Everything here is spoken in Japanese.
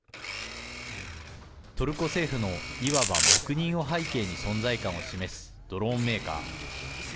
トルコ政府のいわば黙認を背景に存在感を示すドローンメーカー。